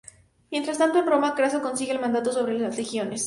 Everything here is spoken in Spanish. Mientras tanto, en Roma, Craso consigue el mandato sobre las legiones.